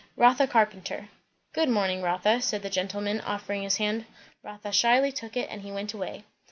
"Rotha Carpenter." "Good morning, Rotha," said the gentleman, offering his hand. Rotha shyly took it, and he went away.